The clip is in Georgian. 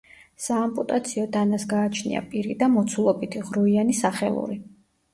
საამპუტაციო დანას გააჩნია პირი და მოცულობითი, ღრუიანი სახელური.